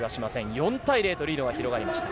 ４対０とリードが広がりました。